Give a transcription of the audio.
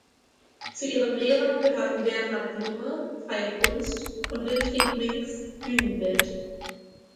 Zu ihren Lehrern gehörten Bernhard Blume (Freie Kunst) und Wilfried Minks (Bühnenbild).